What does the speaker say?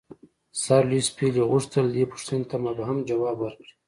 سر لیویس پیلي غوښتل دې پوښتنې ته مبهم ځواب ورکړي.